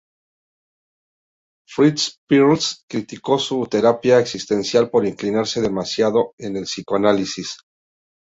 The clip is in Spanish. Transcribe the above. Fritz Perls criticó su terapia existencial por inclinarse demasiado en el psicoanálisis.